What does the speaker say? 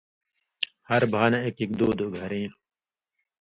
ہر بھا نہ ایک ایک، دُو دُو گھریں